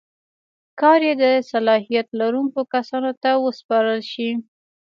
کار یې د صلاحیت لرونکو کسانو ته وسپارل شي.